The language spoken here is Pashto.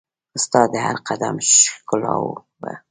ستا د هرقدم ښکالو به